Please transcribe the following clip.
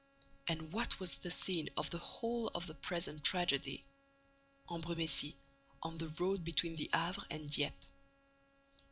And what was the scene of the whole of the present tragedy? Ambrumésy, on the road between the Havre and Dieppe.